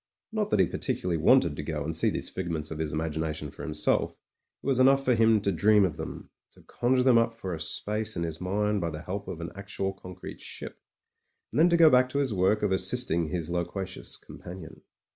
Not that he particularly wanted to go and see these figments of his imagination for himself; it was enough for him to dream of them — to conjure them up for a space in his mind by the help of an actual concrete ship — ^and then to go back to his work of assisting his loquacious companion.